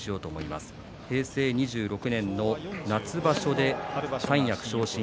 平成２６年の夏場所で三役昇進。